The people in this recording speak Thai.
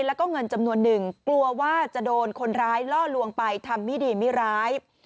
แล้วก็เงินจำนวนหนึ่งกลัวว่าจะโดนคนร้ายล่อลวงไปทำไม่ดีไม่ร้าย